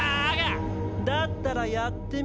だったらやってみなよ。